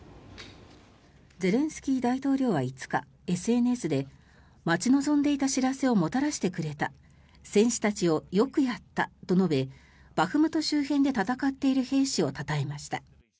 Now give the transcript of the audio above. ゼレンスキー大統領は５日ＳＮＳで待ち望んでいた知らせをもたらしてくれた戦士たちよ、よくやったと述べバフムト周辺で戦っている兵士をたたえました。